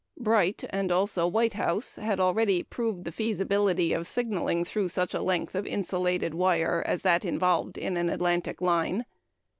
Bright, and also Whitehouse, had already proved the possibility of signaling through such a length of insulated wire as that involved by an Atlantic line.